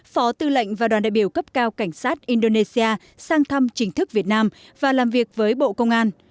phó tư lệnh và đoàn đại biểu cấp cao cảnh sát indonesia sang thăm chính thức việt nam và làm việc với bộ công an